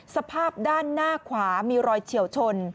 สภาพด้านหน้าขวามีรอยเฉียวชน